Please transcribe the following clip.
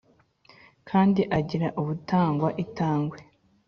Kandi agira ubutangwa itangwe